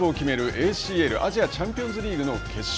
ＡＣＬ＝アジアチャンピオンズリーグの決勝。